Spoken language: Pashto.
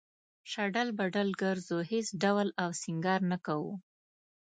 شډل بډل گرځو هېڅ ډول او سينگار نۀ کوو